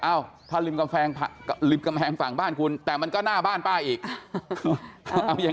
อ้าวถ้าริมกำแพงฝั่งบ้านคุณแต่มันก็หน้าบ้านป้าอีกเอายัง